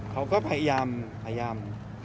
เขาก็พยายามพยายาม